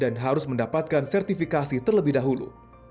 dan harus mendapatkan sertifikasi terlebih dahulu